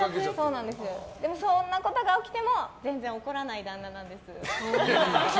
そんなことが起きても全然怒らない旦那なんです。